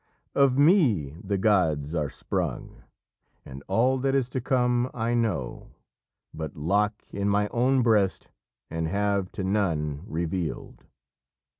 "Of me the gods are sprung; And all that is to come I know, but lock In my own breast, and have to none reveal'd."